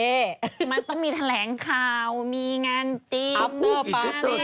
มันต้องมีแถลงข่าวมีงานจริงอัพเตอร์ปาร์ตี้